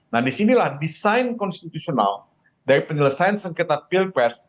nah disinilah desain konstitusional dari penyelesaian sengketa pilpres